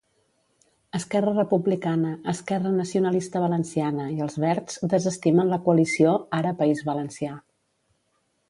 Esquerra Republicana, Esquerra Nacionalista Valenciana i els Verds desestimen la coalició Ara, País Valencià'